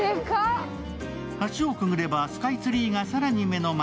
橋をくぐればスカイツリーが更に目の前。